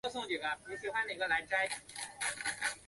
内蒙邪蒿